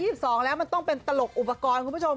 ๒๒แล้วมันต้องเป็นตลกอุปกรณ์คุณผู้ชม